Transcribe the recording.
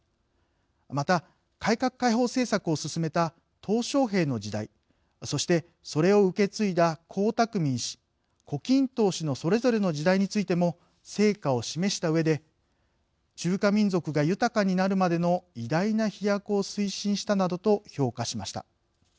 また改革開放政策を進めた小平の時代そしてそれを受け継いだ江沢民氏胡錦涛氏のそれぞれの時代についても成果を示したうえで中華民族が豊かになるまでの偉大な飛躍を推進したなどと評価しました。